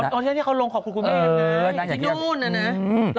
อ๋อเท่านี้เขาลงขอบคุณคุณแม่กันไงที่นู่นเนอะ